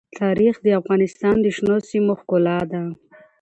تاریخ د افغانستان د شنو سیمو ښکلا ده.